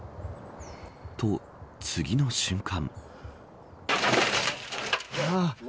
と次の瞬間。